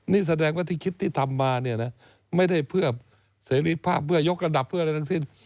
นี่แสดงว่าที่คิดที่ทำมาเนี่ยนะไม่ได้เพื่อเสรีภาพเพื่อยกระดับเพื่ออะไรทั้งสิ้น